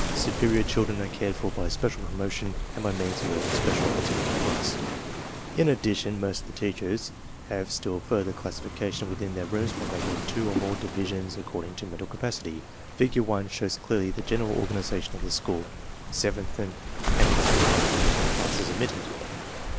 Su perior children are cared for by special promotion and by means of the special opportunity class. In, addition, most of the teachers have still further classification within their rooms by making two or more divisions ac cording to mental capacity. Figure 1 shows clearly the general organization of the school (seventh and eighth departmental classes omitted).